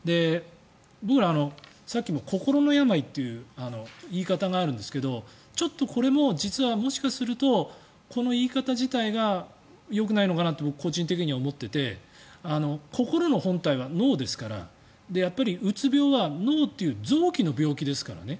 僕、さっき、心の病という言い方があるんですがちょっとこれも実はもしかするとこの言い方自体がよくないのかなと僕個人的には思ってて心の本体は脳ですからやっぱりうつ病は脳という臓器の病気ですからね。